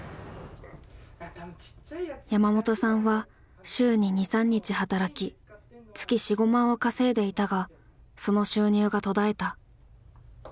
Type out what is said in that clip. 山本さんは週に２３日働き月４５万を稼いでいたがその収入が途絶えた。